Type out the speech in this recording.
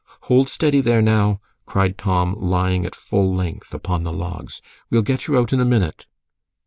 "Hold steady there now!" cried Tom, lying at full length upon the logs; "we'll get you in a minute."